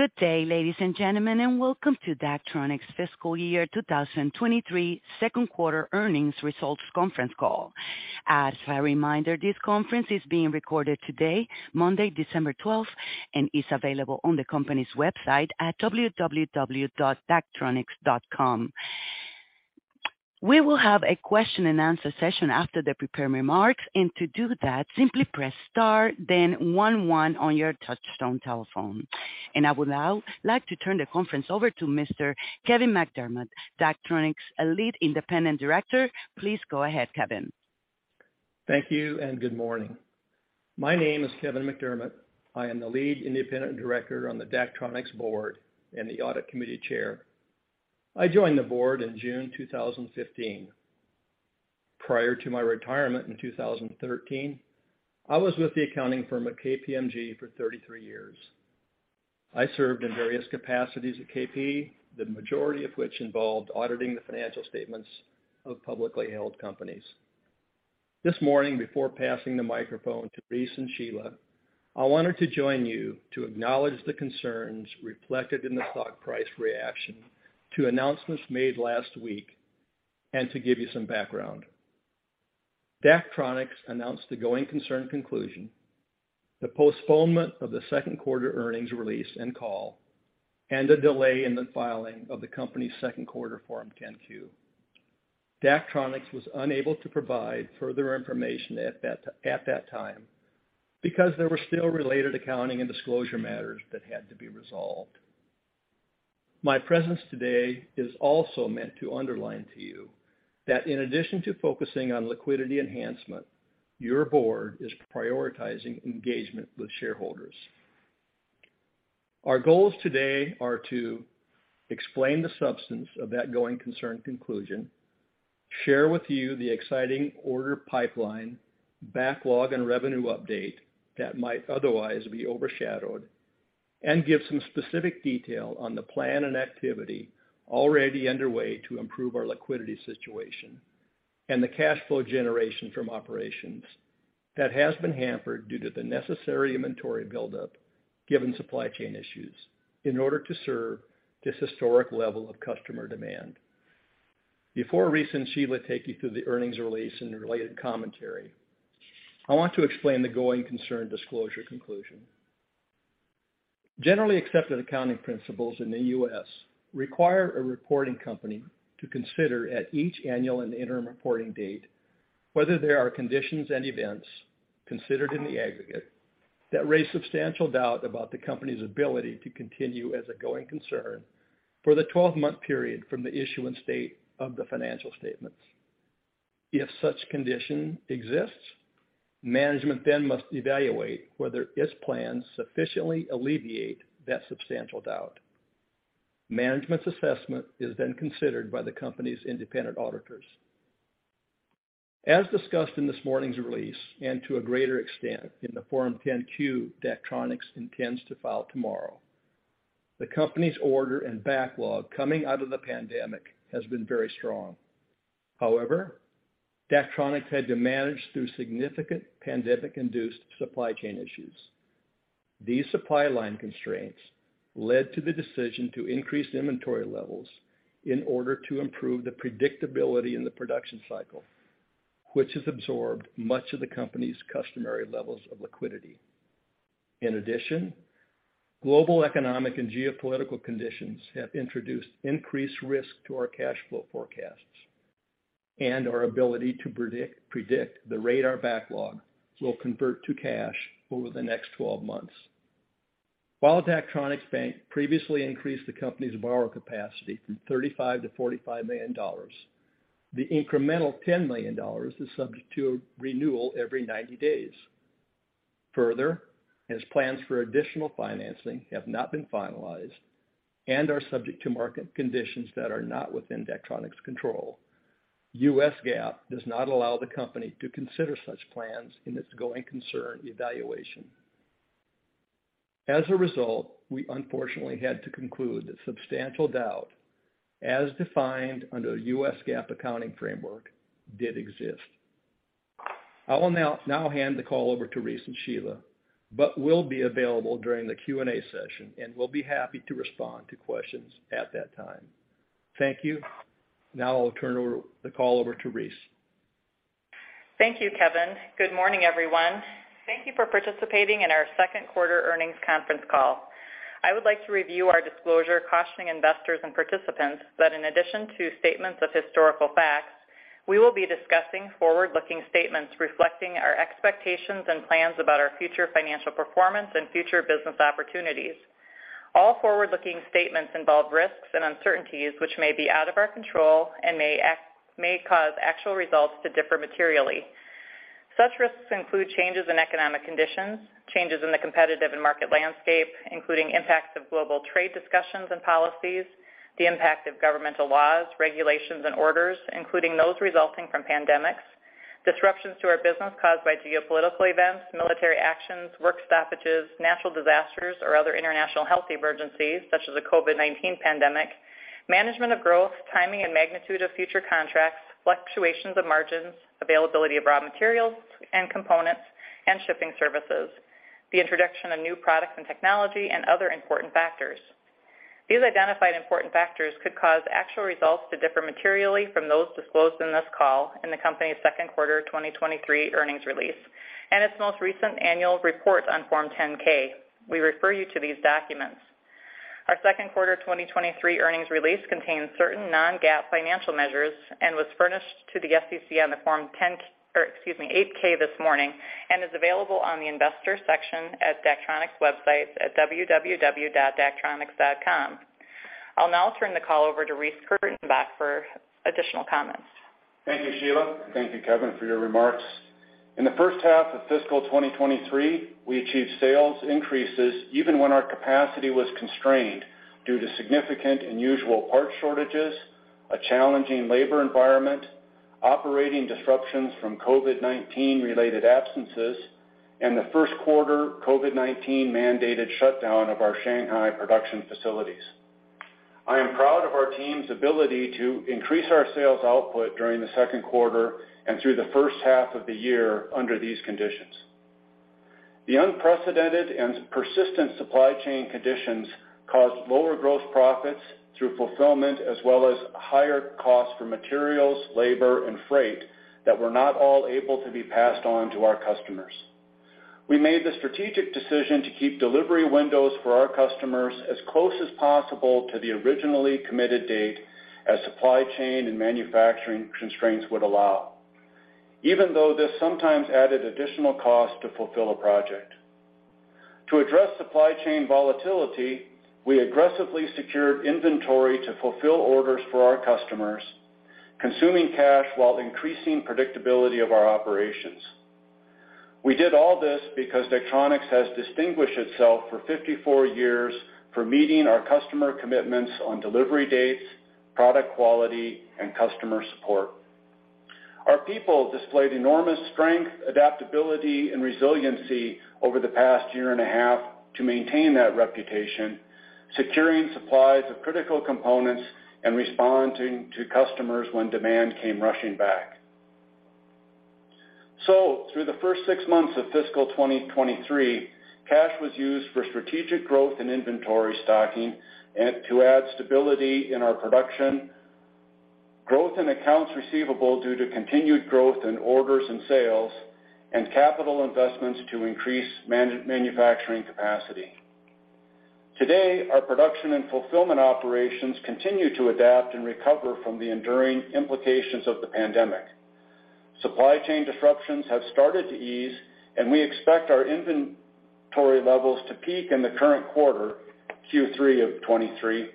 Good day, ladies and gentlemen, and welcome to Daktronics Fiscal Year 2023 second quarter earnings results conference call. As a reminder, this conference is being recorded today, Monday, December 12th, and is available on the company's website at www.daktronics.com. We will have a question-and-answer session after the prepared remarks. To do that, simply press star, then one one on your touch-tone telephone. I would now like to turn the conference over to Mr. Kevin McDermott, Daktronics Lead Independent Director. Please go ahead, Kevin. Thank you and good morning. My name is Kevin McDermott. I am the lead independent director on the Daktronics board and the audit committee chair. I joined the board in June 2015. Prior to my retirement in 2013, I was with the accounting firm at KPMG for 33 years. I served in various capacities at KPMG, the majority of which involved auditing the financial statements of publicly held companies. This morning, before passing the microphone to Reece and Sheila, I wanted to join you to acknowledge the concerns reflected in the stock price reaction to announcements made last week and to give you some background. Daktronics announced the going concern conclusion, the postponement of the second quarter earnings release and call, and a delay in the filing of the company's second quarter Form 10-Q. Daktronics was unable to provide further information at that time because there were still related accounting and disclosure matters that had to be resolved. My presence today is also meant to underline to you that in addition to focusing on liquidity enhancement, your board is prioritizing engagement with shareholders. Our goals today are to explain the substance of that going concern conclusion, share with you the exciting order pipeline backlog and revenue update that might otherwise be overshadowed, and give some specific detail on the plan and activity already underway to improve our liquidity situation and the cash flow generation from operations that has been hampered due to the necessary inventory buildup given supply chain issues in order to serve this historic level of customer demand. Before Reece and Sheila take you through the earnings release and related commentary, I want to explain the going concern disclosure conclusion. Generally accepted accounting principles in the U.S. require a reporting company to consider at each annual and interim reporting date, whether there are conditions and events considered in the aggregate that raise substantial doubt about the company's ability to continue as a going concern for the 12-month period from the issuance date of the financial statements. If such condition exists, management then must evaluate whether its plans sufficiently alleviate that substantial doubt. Management's assessment is then considered by the company's independent auditors. As discussed in this morning's release, and to a greater extent in the Form 10-Q Daktronics intends to file tomorrow, the company's order and backlog coming out of the pandemic has been very strong. However, Daktronics had to manage through significant pandemic-induced supply chain issues. These supply line constraints led to the decision to increase inventory levels in order to improve the predictability in the production cycle, which has absorbed much of the company's customary levels of liquidity. In addition, global economic and geopolitical conditions have introduced increased risk to our cash flow forecasts and our ability to predict the radar backlog will convert to cash over the next 12 months. While Daktronics bank previously increased the company's borrower capacity from $35 million-$45 million, the incremental $10 million is subject to a renewal every 90 days. As plans for additional financing have not been finalized and are subject to market conditions that are not within Daktronics control, U.S. GAAP does not allow the company to consider such plans in its going concern evaluation. As a result we unfortunately had to conclude that substantial doubt, as defined under the U.S. GAAP accounting framework did exist. I will now hand the call over to Reece and Sheila but will be available during the Q&A session and will be happy to respond to questions at that time. Thank you. I'll turn over the call over to Reece. Thank you, Kevin. Good morning, everyone. Thank you for participating in our second quarter earnings conference call. I would like to review our disclosure cautioning investors and participants that in addition to statements of historical facts, we will be discussing forward-looking statements reflecting our expectations and plans about our future financial performance and future business opportunities. All forward-looking statements involve risks and uncertainties which may be out of our control and may cause actual results to differ materially. Such risks include changes in economic conditions, changes in the competitive and market landscape, including impacts of global trade discussions and policies, the impact of governmental laws, regulations and orders, including those resulting from pandemics, disruptions to our business caused by geopolitical events, military actions, work stoppages, natural disasters, or other international health emergencies, such as the COVID-19 pandemic, management of growth, timing and magnitude of future contracts, fluctuations of margins, availability of raw materials and components, shipping services, the introduction of new products and technology and other important factors. These identified important factors could cause actual results to differ materially from those disclosed in this call in the company's second quarter 2023 earnings release and its most recent annual report on Form 10-K. We refer you to these documents. Our second quarter 2023 earnings release contains certain non-GAAP financial measures and was furnished to the SEC on the Form or excuse me, 8-K this morning and is available on the investors section at Daktronics websites at www.daktronics.com. I'll now turn the call over to Reece Kurtenbach for additional comments. Thank you, Sheila. Thank you, Kevin, for your remarks. In the first half of fiscal 2023, we achieved sales increases even when our capacity was constrained due to significant unusual part shortages, a challenging labor environment, operating disruptions from COVID-19 related absences, and the first quarter COVID-19 mandated shutdown of our Shanghai production facilities. I am proud of our team's ability to increase our sales output during the second quarter and through the first half of the year under these conditions. The unprecedented and persistent supply chain conditions caused lower growth profits through fulfillment as well as higher costs for materials, labor, and freight that were not all able to be passed on to our customers. We made the strategic decision to keep delivery windows for our customers as close as possible to the originally committed date as supply chain and manufacturing constraints would allow, even though this sometimes-added additional cost to fulfill a project. To address supply chain volatility, we aggressively secured inventory to fulfill orders for our customers, consuming cash while increasing predictability of our operations. We did all this because Daktronics has distinguished itself for 54 years for meeting our customer commitments on delivery dates, product quality, and customer support. Our people displayed enormous strength, adaptability, and resiliency over the past year and a half to maintain that reputation, securing supplies of critical components and responding to customers when demand came rushing back. Through the first six months of fiscal 2023, cash was used for strategic growth and inventory stocking and to add stability in our production, growth in accounts receivable due to continued growth in orders and sales, and capital investments to increase manufacturing capacity. Today, our production and fulfillment operations continue to adapt and recover from the enduring implications of the pandemic. Supply chain disruptions have started to ease, and we expect our inventory levels to peak in the current quarter, Q3 of 23,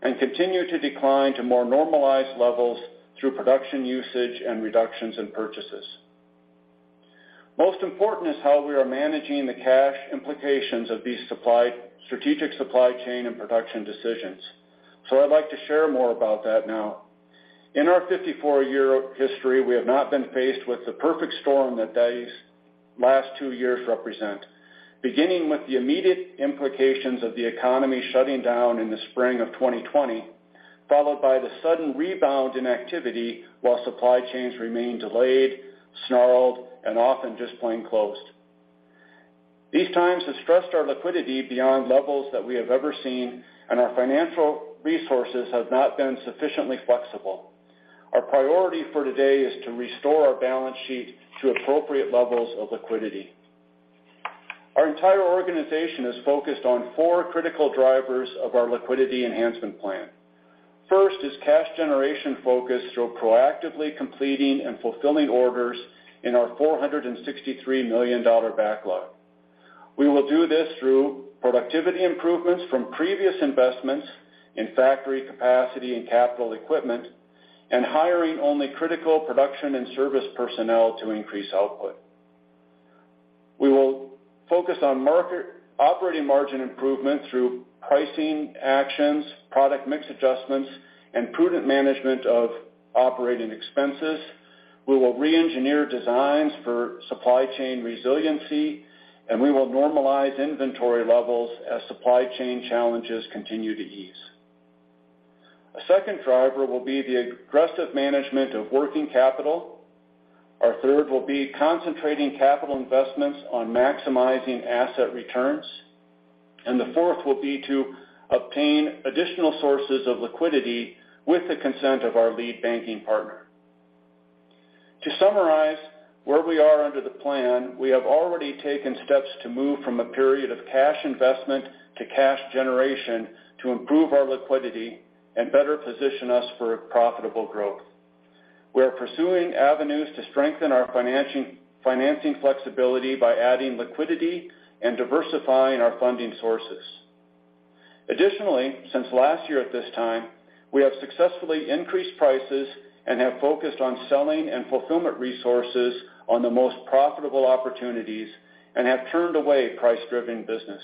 and continue to decline to more normalized levels through production usage and reductions in purchases. Most important is how we are managing the cash implications of these strategic supply chain and production decisions. I'd like to share more about that now. In our 54-year history, we have not been faced with the perfect storm that these last two years represent, beginning with the immediate implications of the economy shutting down in the spring of 2020, followed by the sudden rebound in activity while supply chains remained delayed, snarled, and often just plain closed. These times have stressed our liquidity beyond levels that we have ever seen, and our financial resources have not been sufficiently flexible. Our priority for today is to restore our balance sheet to appropriate levels of liquidity. Our entire organization is focused on four critical drivers of our liquidity enhancement plan. First is cash generation focus through proactively completing and fulfilling orders in our $463 million backlog. We will do this through productivity improvements from previous investments in factory capacity and capital equipment and hiring only critical production and service personnel to increase output. We will focus on operating margin improvement through pricing actions, product mix adjustments, and prudent management of operating expenses. We will reengineer designs for supply chain resiliency, and we will normalize inventory levels as supply chain challenges continue to ease. A second driver will be the aggressive management of working capital. Our third will be concentrating capital investments on maximizing asset returns, and the fourth will be to obtain additional sources of liquidity with the consent of our lead banking partner. To summarize where we are under the plan, we have already taken steps to move from a period of cash investment to cash generation to improve our liquidity and better position us for profitable growth. We are pursuing avenues to strengthen our financing flexibility by adding liquidity and diversifying our funding sources. Since last year at this time, we have successfully increased prices and have focused on selling and fulfillment resources on the most profitable opportunities and have turned away price-driven business.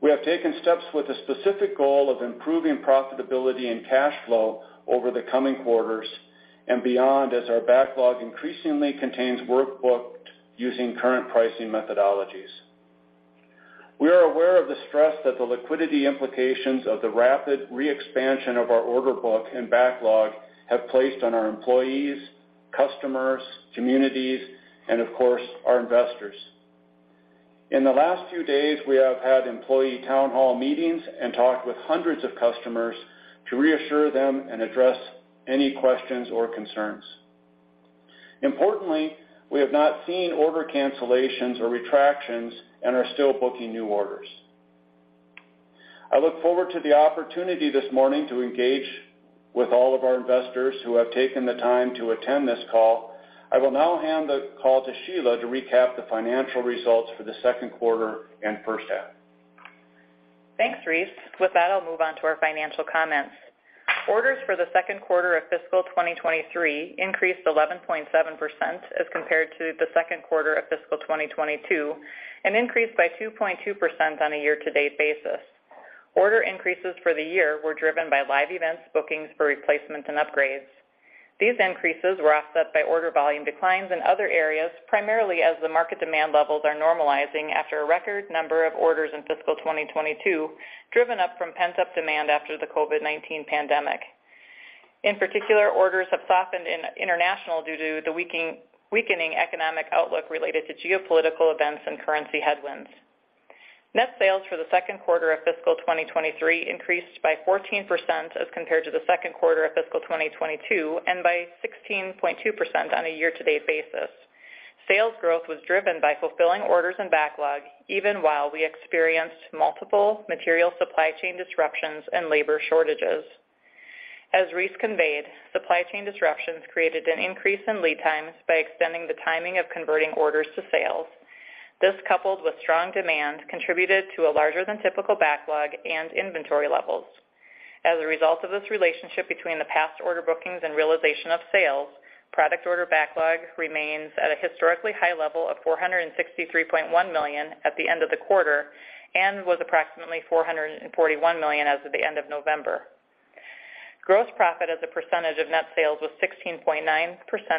We have taken steps with the specific goal of improving profitability and cash flow over the coming quarters and beyond as our backlog increasingly contains work booked using current pricing methodologies. We are aware of the stress that the liquidity implications of the rapid re-expansion of our order book and backlog have placed on our employees, customers, communities, and of course, our investors. In the last few days, we have had employee town hall meetings and talked with hundreds of customers to reassure them and address any questions or concerns. Importantly, we have not seen order cancellations or retractions and are still booking new orders. I look forward to the opportunity this morning to engage with all of our investors who have taken the time to attend this call. I will now hand the call to Sheila to recap the financial results for the second quarter and first half. Thanks, Reece. With that, I'll move on to our financial comments. Orders for the second quarter of fiscal 2023 increased 11.7% as compared to the second quarter of fiscal 2022, increased by 2.2% on a year-to-date basis. Order increases for the year were driven by Live Events, bookings for replacements and upgrades. These increases were offset by order volume declines in other areas, primarily as the market demand levels are normalizing after a record number of orders in fiscal 2022, driven up from pent-up demand after the COVID-19 pandemic. In particular, orders have softened in international due to the weakening economic outlook related to geopolitical events and currency headwinds. Net sales for the second quarter of fiscal 2023 increased by 14% as compared to the second quarter of fiscal 2022, and by 16.2% on a year-to-date basis. Sales growth was driven by fulfilling orders and backlog, even while we experienced multiple material supply chain disruptions and labor shortages. As Reece conveyed, supply chain disruptions created an increase in lead times by extending the timing of converting orders to sales. This, coupled with strong demand, contributed to a larger than typical backlog and inventory levels. As a result of this relationship between the past order bookings and realization of sales, product order backlog remains at a historically high level of $463.1 million at the end of the quarter and was approximately $441 million as of the end of November. Gross profit as a percentage of net sales was 16.9%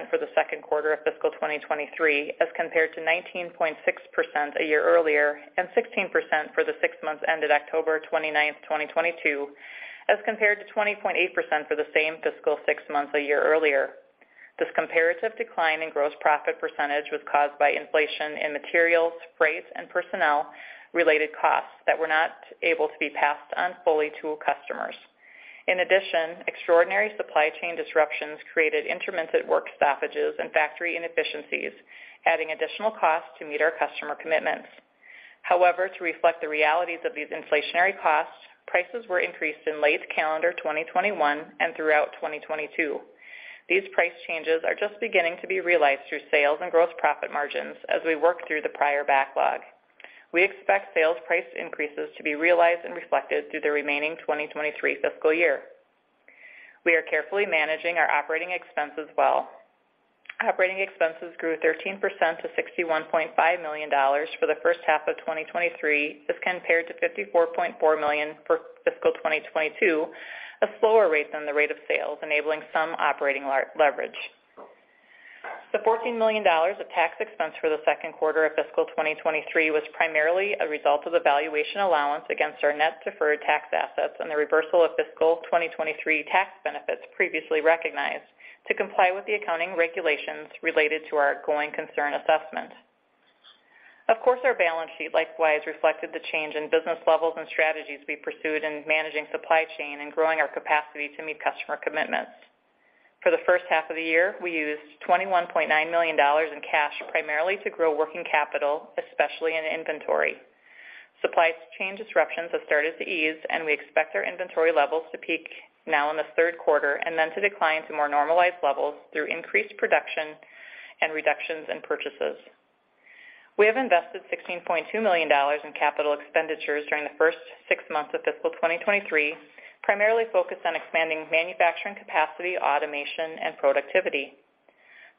for the second quarter of fiscal 2023, as compared to 19.6% a year earlier and 16% for the six months ended October 29th, 2022, as compared to 20.8% for the same fiscal six months a year earlier. This comparative decline in gross profit percentage was caused by inflation in materials, freight, and personnel-related costs that were not able to be passed on fully to customers. In addition, extraordinary supply chain disruptions created intermittent work stoppages and factory inefficiencies, adding additional costs to meet our customer commitments. However, to reflect the realities of these inflationary costs, prices were increased in late calendar 2021 and throughout 2022. These price changes are just beginning to be realized through sales and gross profit margins as we work through the prior backlog. We expect sales price increases to be realized and reflected through the remaining 2023 fiscal year. We are carefully managing our operating expenses well. Operating expenses grew 13% to $61.5 million for the first half of 2023. This compared to $54.4 million for fiscal 2022, a slower rate than the rate of sales, enabling some operating leverage. The $14 million of tax expense for the second quarter of fiscal 2023 was primarily a result of a valuation allowance against our net deferred tax assets and the reversal of fiscal 2023 tax benefits previously recognized to comply with the accounting regulations related to our going concern assessment. Of course, our balance sheet likewise reflected the change in business levels and strategies we pursued in managing supply chain and growing our capacity to meet customer commitments. For the first half of the year, we used $21.9 million in cash, primarily to grow working capital, especially in inventory. Supply chain disruptions have started to ease, and we expect our inventory levels to peak now in the third quarter and then to decline to more normalized levels through increased production and reductions in purchases. We have invested $16.2 million in capital expenditures during the first six months of fiscal 2023, primarily focused on expanding manufacturing capacity, automation, and productivity.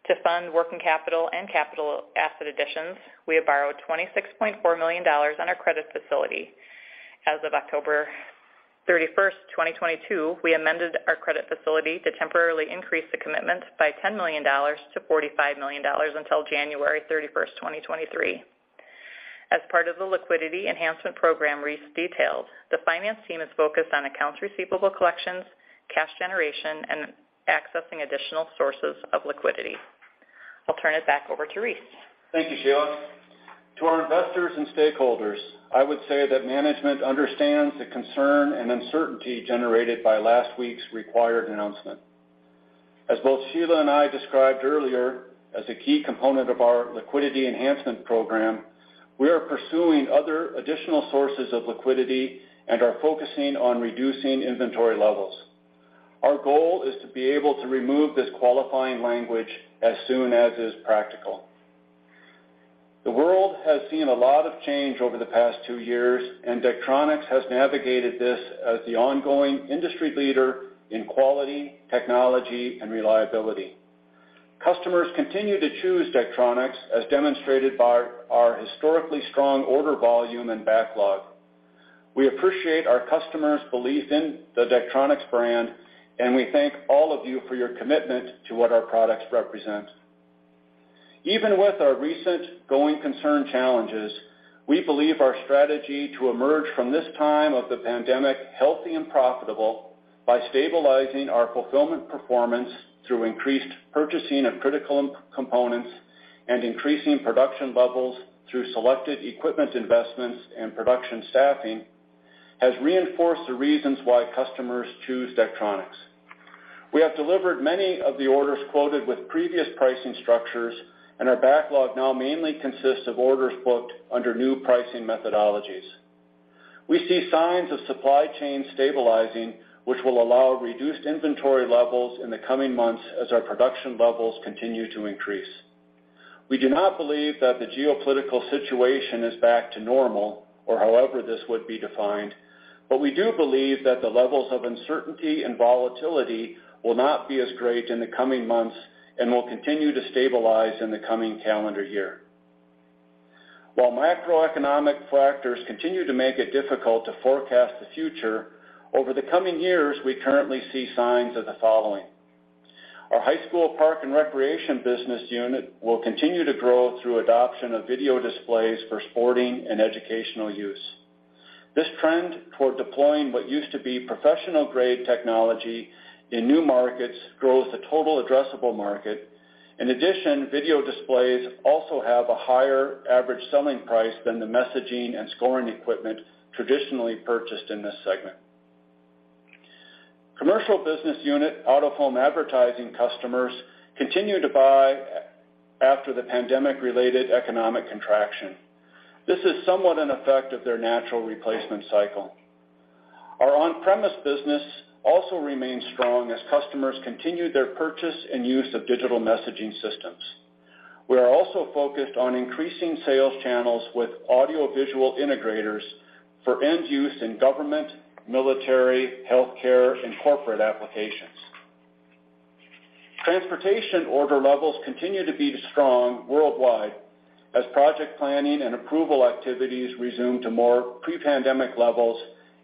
To fund working capital and capital asset additions, we have borrowed $26.4 million on our credit facility. As of October 31st, 2022, we amended our credit facility to temporarily increase the commitment by $10 million-$45 million until January 31st, 2023. As part of the liquidity enhancement program Reece detailed, the finance team is focused on accounts receivable collections, cash generation, and accessing additional sources of liquidity. I'll turn it back over to Reece. Thank you, Sheila. To our investors and stakeholders, I would say that management understands the concern and uncertainty generated by last week's required announcement. As both Sheila and I described earlier, as a key component of our liquidity enhancement program, we are pursuing other additional sources of liquidity and are focusing on reducing inventory levels. Our goal is to be able to remove this qualifying language as soon as is practical. The world has seen a lot of change over the past two years. Daktronics has navigated this as the ongoing industry leader in quality, technology, and reliability. Customers continue to choose Daktronics as demonstrated by our historically strong order volume and backlog. We appreciate our customers' belief in the Daktronics brand. We thank all of you for your commitment to what our products represent. Even with our recent going concern challenges, we believe our strategy to emerge from this time of the pandemic healthy and profitable by stabilizing our fulfillment performance through increased purchasing of critical components and increasing production levels through selected equipment investments and production staffing, has reinforced the reasons why customers choose Daktronics. We have delivered many of the orders quoted with previous pricing structures, and our backlog now mainly consists of orders booked under new pricing methodologies. We see signs of supply chain stabilizing, which will allow reduced inventory levels in the coming months as our production levels continue to increase. We do not believe that the geopolitical situation is back to normal or however this would be defined, but we do believe that the levels of uncertainty and volatility will not be as great in the coming months and will continue to stabilize in the coming calendar year. While macroeconomic factors continue to make it difficult to forecast the future, over the coming years, we currently see signs of the following. Our High School Park and Recreation business unit will continue to grow through adoption of video displays for sporting and educational use. This trend toward deploying what used to be professional-grade technology in new markets grows the total addressable market. Video displays also have a higher average selling price than the messaging and scoring equipment traditionally purchased in this segment. Commercial business unit, out-of-home advertising customers continue to buy after the pandemic-related economic contraction. This is somewhat an effect of their natural replacement cycle. Our on-premises business also remains strong as customers continue their purchase and use of digital messaging systems. We are also focused on increasing sales channels with audiovisual integrators for end use in government, military, healthcare, and corporate applications. Transportation order levels continue to be strong worldwide as project planning and approval activities resume to more pre-pandemic levels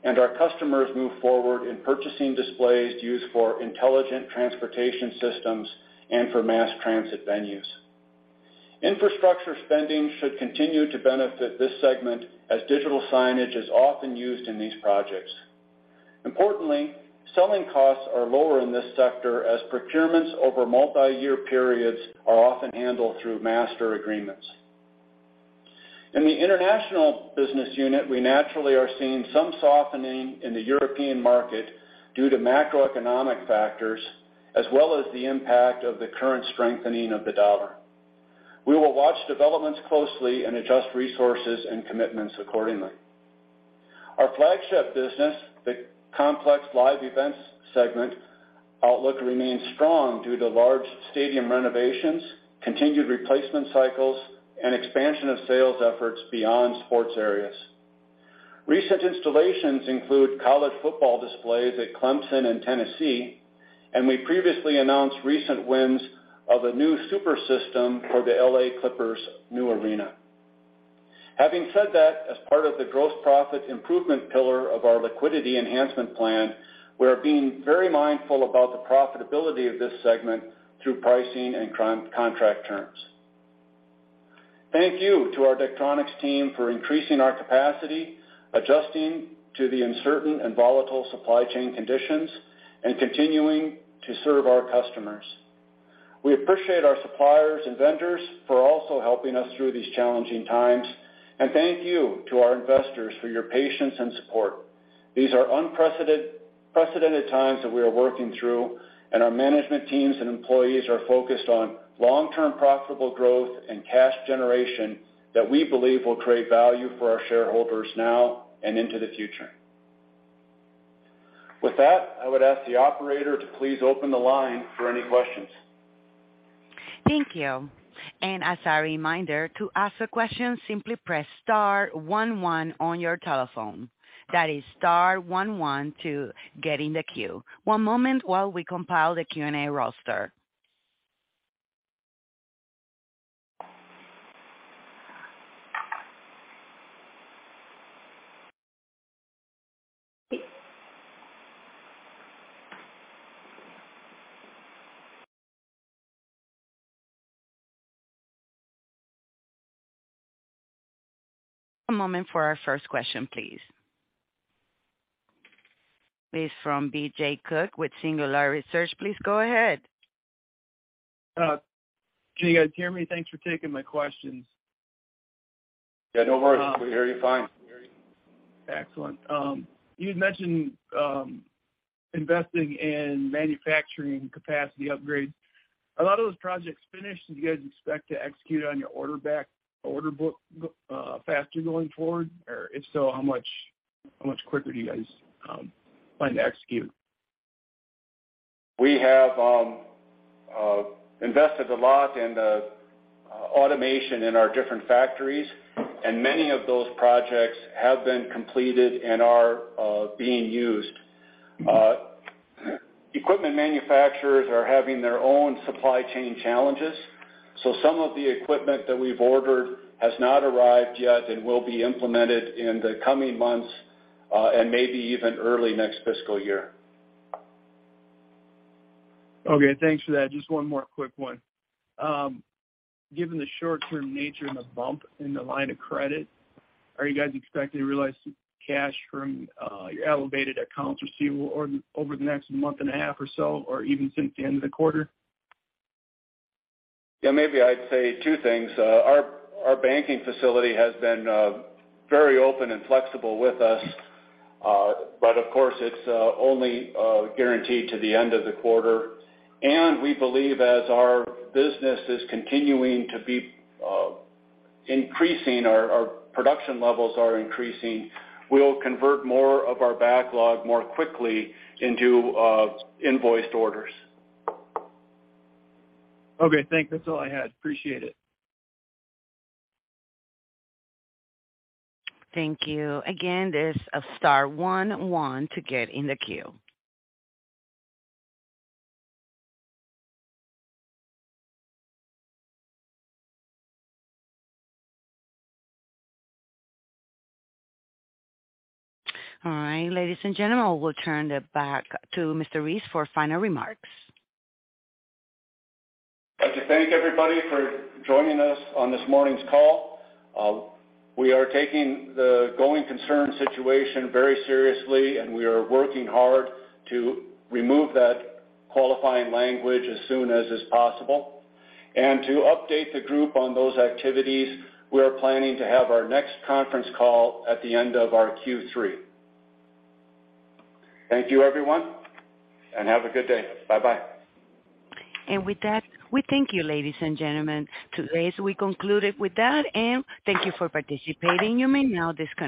and our customers move forward in purchasing displays used for intelligent transportation systems and for mass transit venues. Infrastructure spending should continue to benefit this segment as digital signage is often used in these projects. Importantly, selling costs are lower in this sector as procurements over multiyear periods are often handled through master agreements. In the international business unit, we naturally are seeing some softening in the European market due to macroeconomic factors as well as the impact of the current strengthening of the dollar. We will watch developments closely and adjust resources and commitments accordingly. Our flagship business, the complex Live Events segment outlook remains strong due to large stadium renovations, continued replacement cycles, and expansion of sales efforts beyond sports areas. Recent installations include college football displays at Clemson and Tennessee, and we previously announced recent wins of a new super system for the L.A. Clippers' new arena. Having said that, as part of the gross profit improvement pillar of our liquidity enhancement plan, we're being very mindful about the profitability of this segment through pricing and contract terms. Thank you to our Daktronics team for increasing our capacity, adjusting to the uncertain and volatile supply chain conditions, and continuing to serve our customers. We appreciate our suppliers and vendors for also helping us through these challenging times and thank you to our investors for your patience and support. These are precedented times that we are working through, and our management teams and employees are focused on long-term profitable growth and cash generation that we believe will create value for our shareholders now and into the future. With that, I would ask the operator to please open the line for any questions. Thank you. As a reminder, to ask a question, simply press star one one on your telephone. That is star one one to get in the queue. One moment while we compile the Q&A roster. A moment for our first question, please. It's from BJ Cook with Singular Research. Please go ahead. Can you guys hear me? Thanks for taking my questions. Yeah, no worries. We hear you fine. Excellent. you'd mentioned, investing in manufacturing capacity upgrades. Are a lot of those projects finished? Do you guys expect to execute on your order book, faster going forward? If so, how much, how much quicker do you guys, plan to execute? We have invested a lot in the automation in our different factories, and many of those projects have been completed and are being used. Equipment manufacturers are having their own supply chain challenges. Some of the equipment that we've ordered has not arrived yet and will be implemented in the coming months, and maybe even early next fiscal year. Okay, thanks for that. Just one more quick one. Given the short-term nature and the bump in the line of credit, are you guys expecting to realize cash from your elevated accounts receivable or over the next month and a half or so, or even since the end of the quarter? Yeah, maybe I'd say two things. Our banking facility has been very open and flexible with us. Of course, it's only guaranteed to the end of the quarter. We believe as our business is continuing to be increasing our production levels are increasing, we'll convert more of our backlog more quickly into invoiced orders. Okay, thanks. That's all I had. Appreciate it. Thank you. This is star one one to get in the queue. Ladies and gentlemen, we'll turn it back to Mr. Reece for final remarks. I'd like to thank everybody for joining us on this morning's call. We are taking the going concern situation very seriously. We are working hard to remove that qualifying language as soon as is possible. To update the group on those activities, we are planning to have our next conference call at the end of our Q3. Thank you, everyone, and have a good day. Bye-bye. With that, we thank you, ladies and gentlemen. Today, as we concluded with that, and thank you for participating. You may now disconnect.